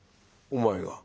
「お前が？